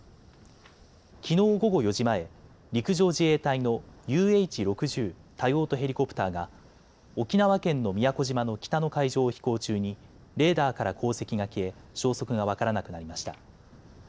きのう午後４時前、陸上自衛隊のＵＨ６０多用途ヘリコプターが沖縄県の宮古島の北の海上を飛行中にレーダーから航跡が消え消息が分からなくなりました。